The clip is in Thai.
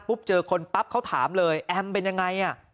เจอคนปั๊บเขาถามเลยแอมเป็นยังไง